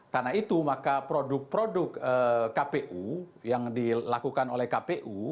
karena itu maka produk produk kpu yang dilakukan oleh kpu